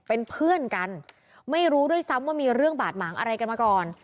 เป็นเพื่อนกันไม่รู้ด้วยซ้ำว่ามีเรื่องบาดหมางอะไรกันมาก่อน